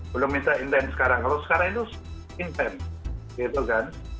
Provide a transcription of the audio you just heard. belum se intens sekarang kalau sekarang itu se intens